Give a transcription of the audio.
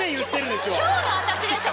今日の私でしょ？